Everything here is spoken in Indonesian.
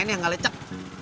ini yang gak lecek